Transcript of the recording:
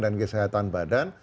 dan kesehatan badan